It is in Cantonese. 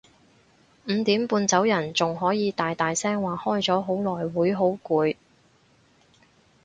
五點半走人仲可以大大聲話開咗好耐會好攰